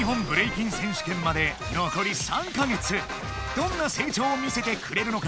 どんなせい長を見せてくれるのか